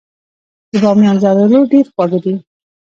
د بامیان زردالو ډیر خواږه دي.